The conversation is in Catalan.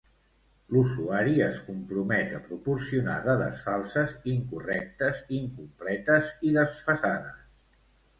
L'usuari es compromet a proporcionar dades falses, incorrectes, incompletes i desfasades.